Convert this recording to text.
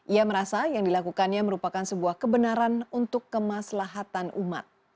ia merasa yang dilakukannya merupakan sebuah kebenaran untuk kemaslahatan umat